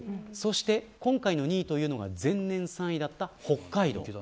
今回の２位が前年３位だった北海道。